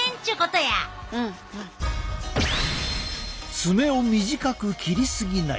爪を短く切り過ぎない。